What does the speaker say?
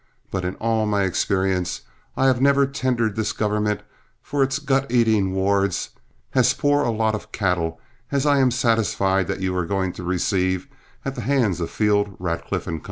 But in all my experience, I have never tendered this government for its gut eating wards as poor a lot of cattle as I am satisfied that you are going to receive at the hands of Field, Radcliff & Co.